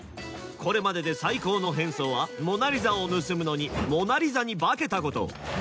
これまでで最高の変装は「モナ・リザ」を盗むのに「モナ・リザ」に化けたこと。